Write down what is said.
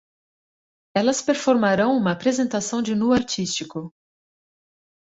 Elas performarão uma apresentação de nu artístico